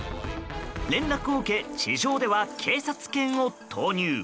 連絡を受け、地上では警察犬を投入。